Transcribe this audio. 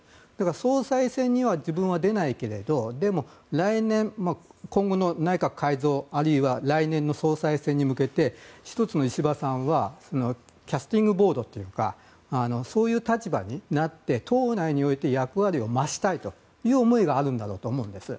総裁選には自分は出ないけれどでも今後の内閣改造あるいは来年の総裁選に向けて１つの、石破さんはキャスティングボードというかそういう立場になって党内において役割を増したいという思いがあるんだろうと思うんです。